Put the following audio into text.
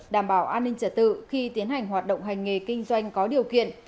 đảm bảo an ninh trả tự khi tiến hành hoạt động hành nghề kinh doanh có điều kiện